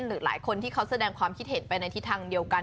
หรือหลายคนที่เขาแสดงความคิดเห็นไปในทิศทางเดียวกัน